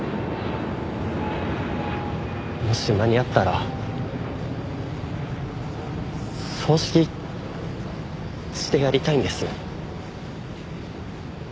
もし間に合ったら葬式してやりたいんです。